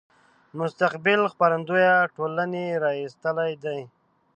مستقبل خپرندويه ټولنې را ایستلی دی.